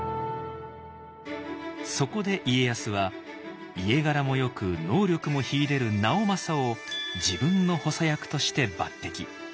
そこで家康は家柄もよく能力も秀でる直政を自分の補佐役として抜てき。